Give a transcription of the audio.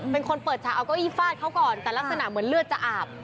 เป็นคนเปิดฉากเอาเก้าอี้ฟาดเขาก่อนแต่ลักษณะเหมือนเลือดจะอาบ